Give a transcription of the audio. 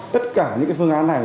tất cả những cái phương án này